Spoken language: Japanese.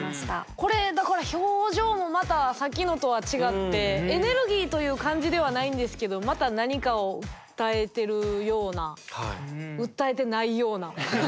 これだから表情もまたさっきのとは違ってエネルギーという感じではないんですけどまた何かを訴えてるような訴えてないような。